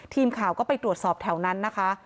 ทีมข่าวก็ไปตรวจสอบแถวนั้นนะคะ